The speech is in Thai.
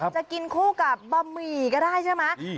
จะกินคู่กับบะหมี่ก็ได้ใช่ไหม